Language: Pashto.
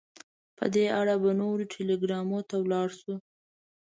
په دې اړه به نورو ټلګرامونو ته ولاړ شو.